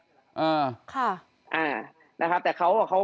เขาไม่อยากจะออกมาให้สังคมรับรู้ในเรื่องนี้นะครับ